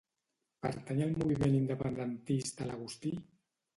Pertany al moviment independentista l'Agustí?